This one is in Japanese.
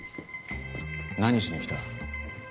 何しにきた？